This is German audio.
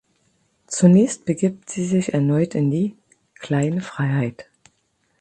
Zunächst begibt sie sich erneut in die „Kleine Freiheit“.